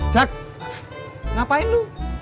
jak ngapain lu